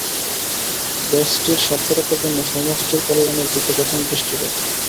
ব্যষ্টির স্বার্থরক্ষার জন্য সমষ্টির কল্যাণের দিকে প্রথম দৃষ্টিপাত।